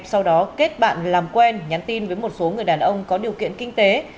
sau đó kết bạn làm quen nhắn tin với một số người đàn ông có điều kiện kinh tế